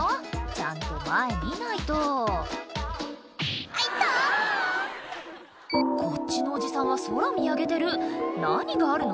ちゃんと前見ないと「あ痛っ！」こっちのおじさんは空見上げてる何があるの？